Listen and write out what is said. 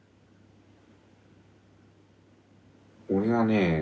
俺はね